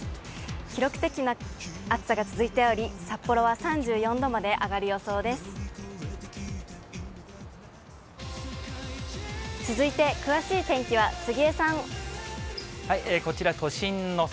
記録的な暑さが続いており、札幌は３４度まで上がる予想です。